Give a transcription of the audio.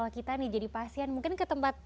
kita nih jadi pasien mungkin ke tempat